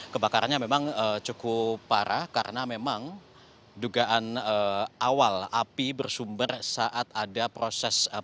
kebakarannya memang cukup parah karena memang dugaan awal api bersumber saat ada proses